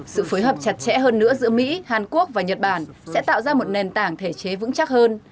sự phối hợp chặt chẽ hơn nữa giữa mỹ hàn quốc và nhật bản sẽ tạo ra một nền tảng thể chế vững chắc hơn